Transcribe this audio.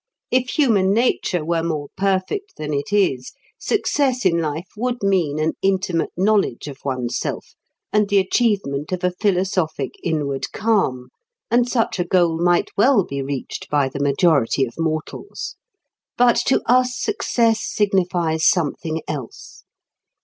If human nature were more perfect than it is, success in life would mean an intimate knowledge of one's self and the achievement of a philosophic inward calm, and such a goal might well be reached by the majority of mortals. But to us success signifies something else.